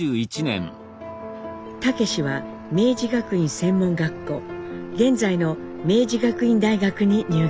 武は明治学院専門学校現在の明治学院大学に入学します。